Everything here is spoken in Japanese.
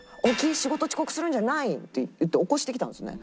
仕事遅刻するんじゃない？」って言って起こしてきたんですね。